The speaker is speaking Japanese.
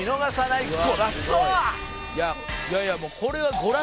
いやいやもうこれは。